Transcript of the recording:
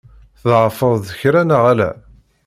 Tḍeɛfeḍ-d kra, neɣ ala?